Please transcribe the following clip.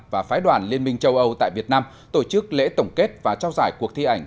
và phái đoàn liên minh châu âu tại việt nam tổ chức lễ tổng kết và trao giải cuộc thi ảnh